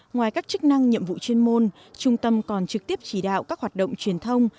ngoài các chức năng nhiệm vụ chuyên môn trung tâm còn trực tiếp chỉ đạo các hoạt động truyền thông